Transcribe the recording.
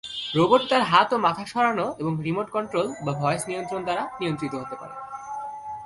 Robot তার হাত ও মাথা সরানো এবং রিমোট কন্ট্রোল বা ভয়েস নিয়ন্ত্রণ দ্বারা নিয়ন্ত্রিত হতে পারে।